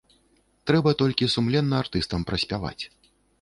Трэба толькі сумленна артыстам праспяваць.